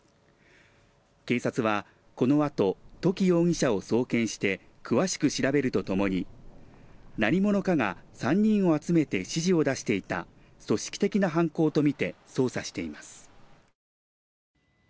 警察はこのあと土岐容疑者を送検して詳しく調べるとともに何者かが３人を集めて指示を出していた組織的な犯行とみて捜査しています。